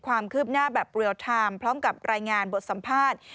ความคืบหน้าแบบเรียลไทม์พร้อมกับรายงานบทสัมภาษณ์